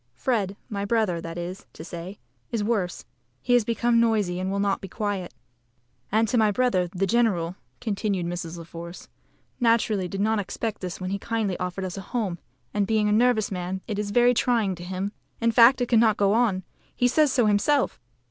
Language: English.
Fred my brother, that is to say, is worse. He has become noisy, and will not be quiet." "And my brother, the general," continued Mrs. La Force, "naturally did not expect this when he kindly offered us a home, and, being a nervous man, it is very trying to him. In fact, it cannot go on. He says so himself."